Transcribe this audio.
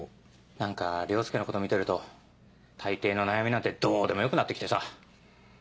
何か凌介のこと見てると大抵の悩みなんてどうでもよくなって来てさ。